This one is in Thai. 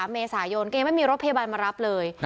เมษายนแกยังไม่มีรถพยาบาลมารับเลย